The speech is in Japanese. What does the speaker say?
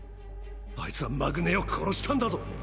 あいつはマグ姉を殺したんだぞ。